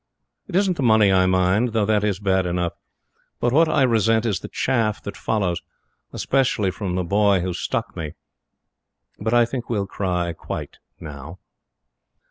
It isn't the money I mind, though that is bad enough; but what I resent is the chaff that follows, especially from the boy who stuck me. But I think we'll cry quits now."